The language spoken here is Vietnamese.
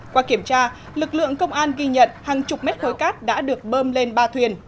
qua kiểm tra lực lượng công an ghi nhận hàng chục mét khối cát đã được bơm lên ba thuyền